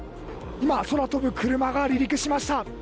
今、空飛ぶクルマが離陸しました。